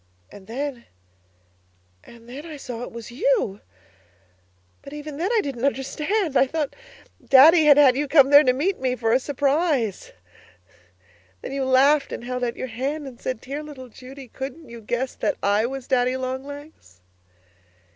And then and then I saw it was you! But even with that I didn't understand. I thought Daddy had had you come there to meet me or a surprise. Then you laughed and held out your hand and said, 'Dear little Judy, couldn't you guess that I was Daddy Long Legs?'